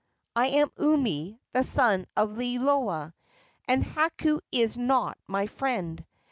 I am Umi, the son of Liloa, and Hakau is not my friend.